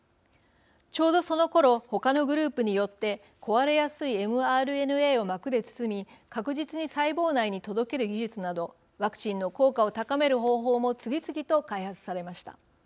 ちょうどそのころ他のグループによって壊れやすいｍＲＮＡを膜で包み確実に細胞内に届ける技術などワクチンの効果を高める方法も次々と開発されました。